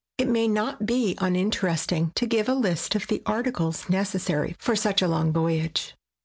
It may not be uninteresting to give a list of the articles necessary for such a long voyage.